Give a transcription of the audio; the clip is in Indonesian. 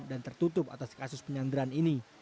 dan tertutup atas kasus penyanderaan ini